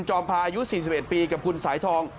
พาอายุ๔๑ปีกับคุณสายทอง